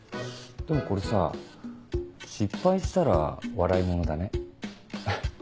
でもこれさ失敗したら笑いものだねハハっ。